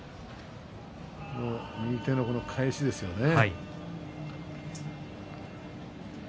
右手の返しですよね。